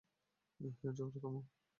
হেই, ঝগড়া থামাও।